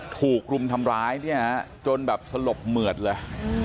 ถูกรุมทำร้ายเนี่ยจนแบบสลบเหมือดเลย